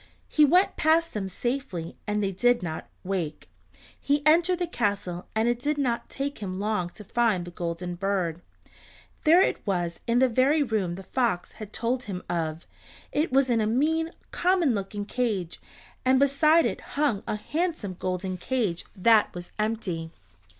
He went past them safely and they did not wake. He entered the castle and it did not take him long to find the Golden Bird. There it was in the very room the fox had told him of. It was in a mean, common looking cage, and beside it hung a handsome golden cage that was empty.